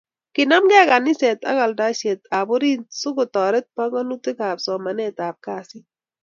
Kinamnge kaniset ak alandaisiet ab orit so kotaret panganutik ab somanet ab kasit